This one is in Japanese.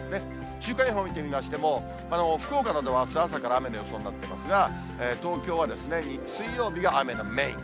週間予報見てみましても、福岡などはあす朝から雨の予想になってますが、東京は水曜日が雨のメイン。